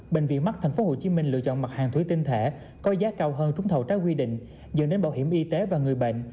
bệnh viện mắt tp hcm lựa chọn mặt hàng thủy tinh thể có giá cao hơn trúng thầu trái quy định dựa đến bảo hiểm y tế và người bệnh